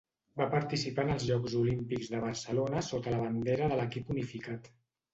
Va participar en els Jocs Olímpics de Barcelona sota la bandera de l'Equip Unificat.